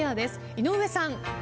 井上さん。